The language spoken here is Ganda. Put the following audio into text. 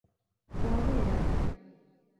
Bw'obeera ggwe?